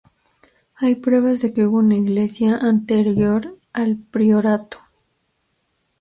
Hay pruebas de que hubo una iglesia anterior al priorato.